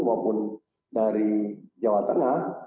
maupun dari jawa tengah